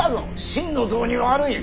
心の臓に悪い。